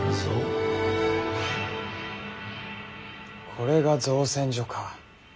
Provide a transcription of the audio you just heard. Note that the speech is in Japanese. これが造船所か。